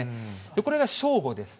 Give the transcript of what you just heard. これが正午です。